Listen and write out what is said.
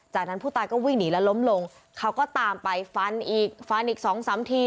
จากนั้นผู้ตายก็วิ่งหนีแล้วล้มลงเขาก็ตามไปฟันอีกฟันอีกสองสามที